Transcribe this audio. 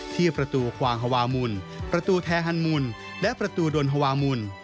ที่ประตูกวางฮาวามุนประตูแทฮันมุนและประตูดนฮาวามุน